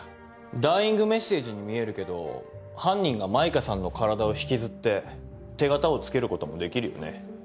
ダイイングメッセージに見えるけど犯人が舞歌さんの体を引きずって手形をつけることもできるよね。